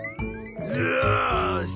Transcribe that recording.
よし！